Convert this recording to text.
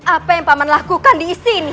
apa yang paman lakukan disini